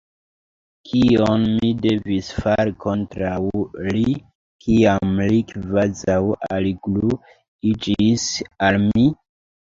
Kion mi devis fari kontraŭ li, kiam li kvazaŭ algluiĝis al mi?